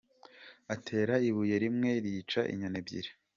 Atera ibuye rimwe rikica inyoni ebyiri.